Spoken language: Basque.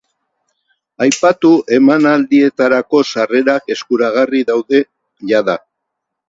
Aipatu emanaldietarako sarrerak eskuragarri daude jada.